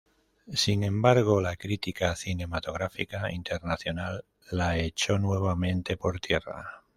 Sin embargo, la crítica cinematográfica internacional la echó nuevamente por tierra.